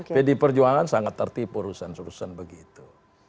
pdi perjuangan sangat tertipu urusan urusan begitu